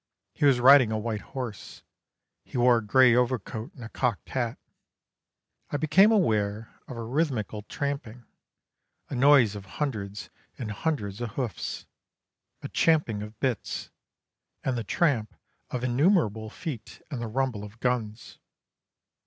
He was riding a white horse. He wore a grey overcoat and a cocked hat. I became aware of a rhythmical tramping: a noise of hundreds and hundreds of hoofs, a champing of bits, and the tramp of innumerable feet and the rumble of guns.